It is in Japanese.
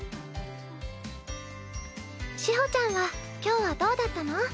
志穂ちゃんは今日はどうだったの？